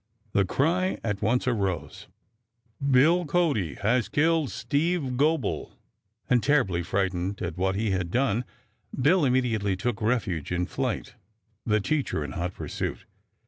The cry at once arose, "Bill Cody has killed Steve Gobel!" and, terribly frightened at what he had done, Bill immediately took refuge in flight, the teacher in hot pursuit.